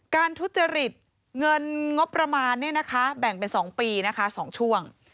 ทุจริตเงินงบประมาณแบ่งเป็น๒ปีนะคะ๒ช่วง